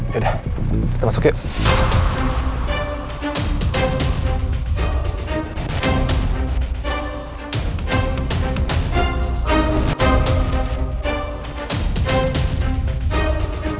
yaudah kita masuk yuk